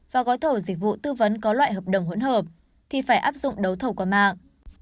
và gói thầu dịch vụ tư vấn có loại hợp đồng hỗn hợp thì phải áp dụng đấu thầu qua mạng